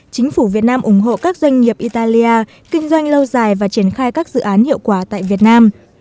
chính phủ việt nam ủng hộ các doanh nghiệp italia kinh doanh lâu dài và triển khai các dự án hiệu quả tại việt nam